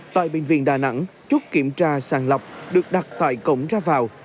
tại bệnh viện đà nẵng chút kiểm tra sàng lọc được đặt tại cổng ra vào